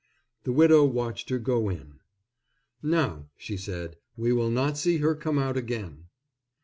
The widow watched her go in. "Now," she said, "we will not see her come out again."